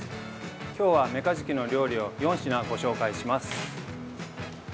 今日はメカジキの料理を４品ご紹介します。